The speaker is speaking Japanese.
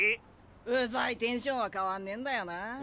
うざいテンションは変わんねえんだよな。